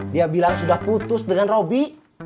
dia bilang sudah putus dengan robi